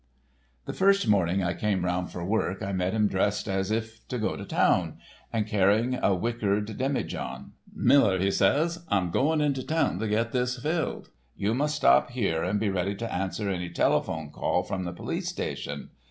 "The first morning I came round for work I met him dressed as if to go to town, and carrying a wickered demijohn. 'Miller',' he says, 'I'm going into town to get this filled. You must stop here and be ready to answer any telephone call from the police station.